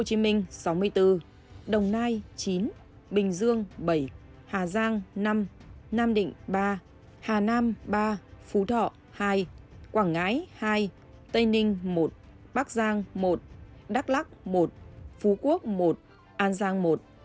hà nam ba phú thọ hai quảng ngãi hai tây ninh một bắc giang một đắk lắc một phú quốc một an giang một